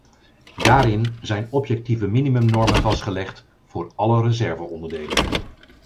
Daarin zijn objectieve minimumnormen vastgelegd voor alle reserveonderdelen.